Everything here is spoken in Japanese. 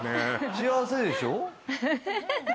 幸せでしょ？